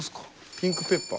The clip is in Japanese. ピンクペッパー。